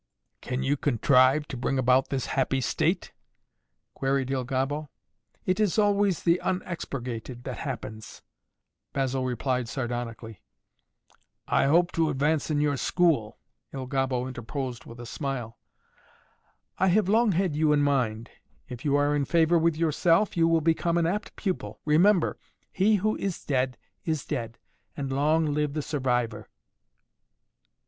"Can you contrive to bring about this happy state?" queried Il Gobbo. "It is always the unexpurgated that happens," Basil replied sardonically. "I hope to advance in your school," Il Gobbo interposed with a smile. "I have long had you in mind. If you are in favor with yourself you will become an apt pupil. Remember! He who is dead is dead and long live the survivor."